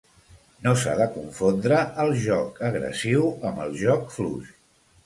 No s'ha de confondre el joc agressiu amb el joc fluix.